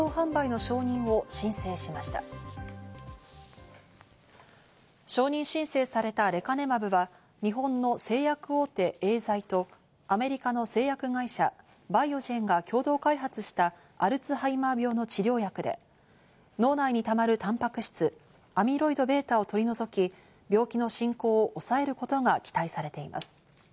承認申請されたレカネマブは、日本の製薬大手エーザイと、アメリカの製薬会社バイオジェンが共同開発したアルツハイマー病の治療薬で脳内にたまるタンパク質・アミロイドβを取り除き、病気の進行を抑えることが期待されています。